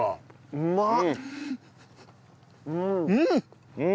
うまっ！